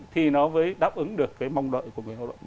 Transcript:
thì nó mới đáp ứng được cái mong đợi của người lao động